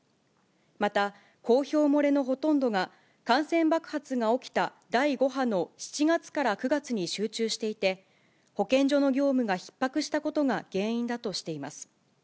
また、公表漏れのほとんどが感染爆発が起きた第５波の７月から９月に集中していて、保健所の業務がひっ迫したことが原因だとしています。